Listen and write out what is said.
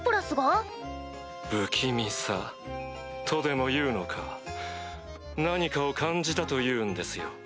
不気味さとでもいうのか何かを感じたというんですよ。